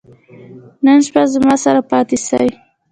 نن شپه زموږ سره پاته سئ.